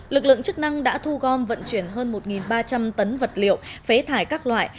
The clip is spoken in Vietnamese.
lực lượng chức năng đã thu gom vận chuyển hơn một ba trăm linh tấn vật liệu phế thải các loại